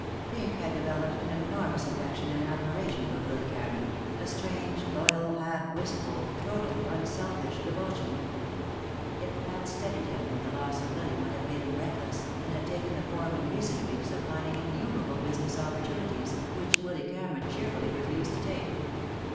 Pink had developed an enormous affection and admiration for Willy Cameron, a strange, loyal, half wistful, totally unselfish devotion. It had steadied him, when the loss of Lily might have made him reckless, and had taken the form in recent weeks of finding innumerable business opportunities, which Willy Cameron cheerfully refused to take.